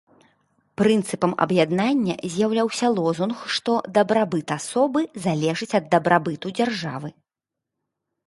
Прынцыпам аб'яднання з'яўляўся лозунг, што дабрабыт асобы залежыць ад дабрабыту дзяржавы.